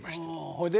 ほいで？